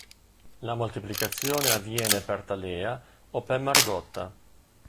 La moltiplicazione avviene per talea o per margotta